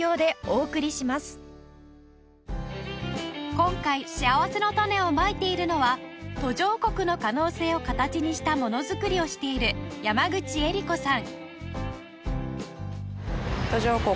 今回しあわせのたねをまいているのは途上国の可能性を形にしたモノづくりをしている山口絵理子さん